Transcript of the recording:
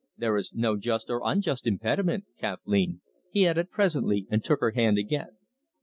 "There is no just or unjust impediment, Kathleen," he added presently, and took her hand again.